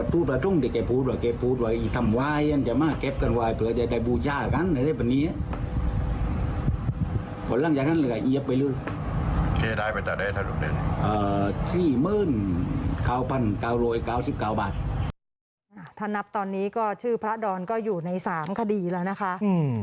ถ้านับตอนนี้ก็ชื่อพระดอนก็อยู่ใน๓คดีแล้วนะคะ